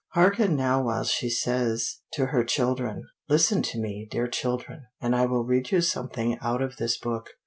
Hearken now while she says to her children, "Listen to me, dear children, and I will read you something out of this book.